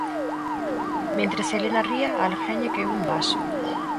Mentres Helena ría, a alguén lle caeu un vaso.